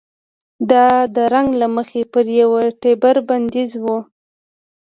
دا د رنګ له مخې پر یوه ټبر بندیز و.